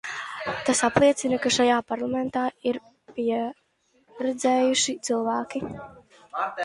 Tas apliecina, ka šajā Parlamentā ir pieredzējuši cilvēki.